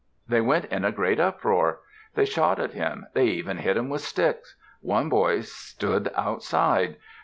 They went in a great uproar. They shot at him. They even hit him with sticks. One boy stood aside.